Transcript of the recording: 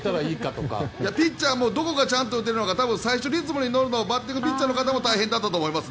ピッチャーもどこがちゃんと打てるのか最初リズムに乗るのバッティングピッチャーも大変だったと思います。